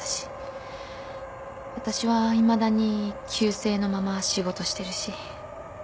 私はいまだに旧姓のまま仕事してるし。